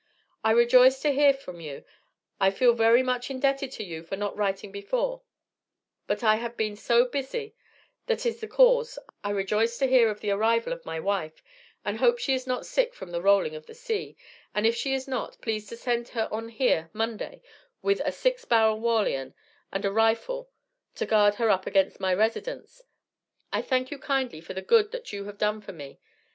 i rejoise to hear from you i feel very much indetted to you for not writing before but i have been so bissy that is the cause, i rejoise to heare of the arrival of my wife, and hope she is not sick from the roling of the sea and if she is not, pleas to send her on here Monday with a six baral warlian and a rifall to gard her up to my residance i thank you kindly for the good that you have don for me.